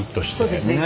そうですね